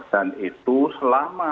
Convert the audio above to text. dan itu selama